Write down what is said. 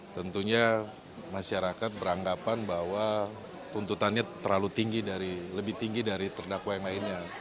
tentunya masyarakat beranggapan bahwa tuntutannya terlalu tinggi lebih tinggi dari terdakwa yang lainnya